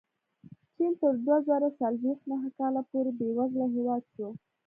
چین تر دوه زره څلوېښت نهه کاله پورې بېوزله هېواد شو.